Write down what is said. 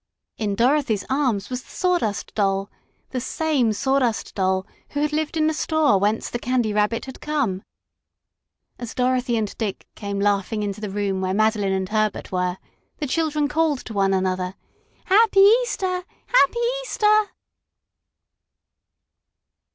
In Dorothy's arms was the Sawdust Doll the same Sawdust Doll who had lived in the store whence the Candy Rabbit had come. As Dorothy and Dick came laughing into the room where Madeline and Herbert were, the children called to one another: "Happy Easter! Happy Easter!"